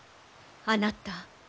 あなた。